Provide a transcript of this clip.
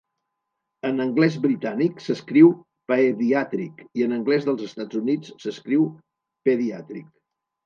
En anglès britànic s'escriu paediatric, i en anglès dels Estats Units s'escriu pediatric.